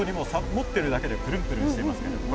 持ってるだけでプルプルしてますが。